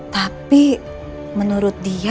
tapi menurut dia